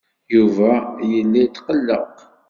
Yuba yella yetqelleq.